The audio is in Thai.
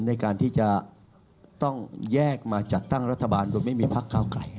ในการที่จะต้องแยกมาจัดตั้งรัฐบาลโดยไม่มีพักเก้าไกล